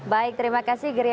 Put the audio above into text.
baik terima kasih gamalil